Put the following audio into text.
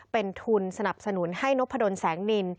เป็นทุนสนับสนุนให้นพดลแสงนิน